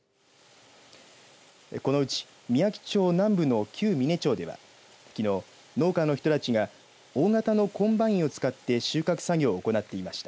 このうち、みやき町南部の旧三根町ではきのう、農家の人たちが大型のコンバインを使って収穫作業を行っていました。